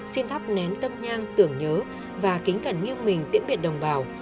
xin thắp nén tâm nhang tưởng nhớ và kính cẩn nghiêng mình tiễn biệt đồng bào